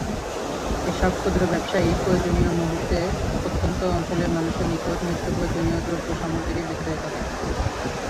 এসব ক্ষুদ্র ব্যবসায়ী প্রয়োজনীয় মুহূর্তে প্রত্যন্ত অঞ্চলের মানুষের নিকট নিত্যপ্রয়োজনীয় দ্রব্যসামগ্রী বিক্রয় করেন।